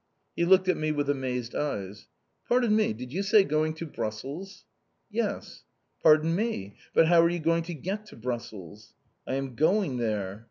He looked at me with amazed eyes. "Pardon me! Did you say going to Brussels?" "Yes." "Pardon me! But how are you going to get to Brussels?" "I am going there."